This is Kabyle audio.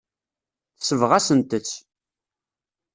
Tesbeɣ-asent-tt.